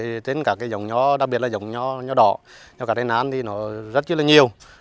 đối với đến cả cái dòng nho đặc biệt là dòng nho đỏ dòng nho đen nán thì nó rất là nhiều